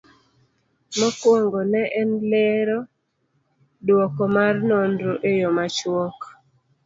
Mokwongo, ne en lero duoko mar nonro e yo machuok